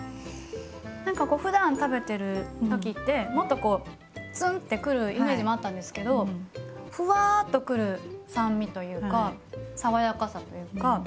何かこうふだん食べてる時ってもっとツンってくるイメージもあったんですけどふわっとくる酸味というか爽やかさというか。